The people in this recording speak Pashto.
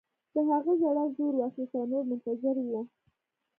د هغه ژړا زور واخیست او نور منتظر وو